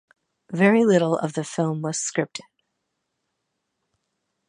Very little of the film was scripted.